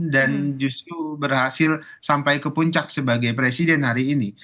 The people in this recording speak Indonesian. dan justru berhasil sampai ke puncak sebagai presiden hari ini